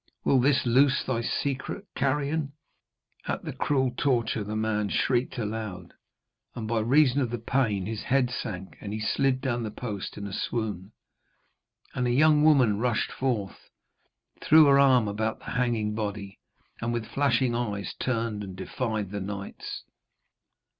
Will this loose thy secret, carrion?' At the cruel torture the man shrieked aloud, and by reason of the pain his head sank and he slid down the post in a swoon. And a young woman rushed forth, threw her arm about the hanging body, and with flashing eyes turned and defied the knights.